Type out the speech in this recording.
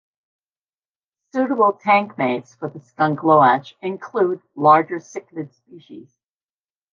Suitable tank mates for the skunk loach include larger cichlid species.